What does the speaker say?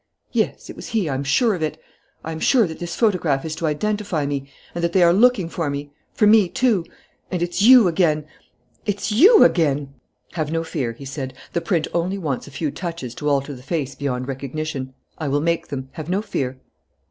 Yes, it was he, I'm sure of it. I am sure that this photograph is to identify me and that they are looking for me, for me, too. And it's you again, it's you again " "Have no fear," he said. "The print only wants a few touches to alter the face beyond recognition. I will make them. Have no fear."